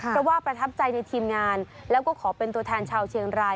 เพราะว่าประทับใจในทีมงานแล้วก็ขอเป็นตัวแทนชาวเชียงราย